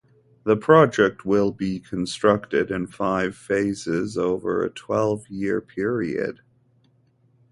The project will be constructed in five phases over a twelve-year period.